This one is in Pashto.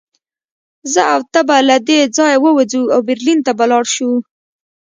زه او ته به له دې ځایه ووځو او برلین ته به لاړ شو